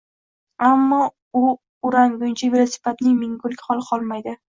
ammo u o'rgangunicha velosipedning mingulik holi qolmaydi.